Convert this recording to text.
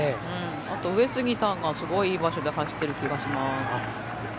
あと上杉さんがすごいいい場所で走っている気がします。